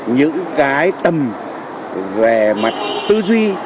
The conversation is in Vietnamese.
những cái tâm về mặt tư duy